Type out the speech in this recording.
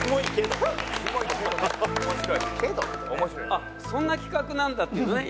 あっそんな企画なんだっていうのをね